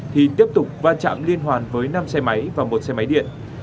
thì tiếp tục va chạm liên hoàn với năm xe máy và một xe máy điện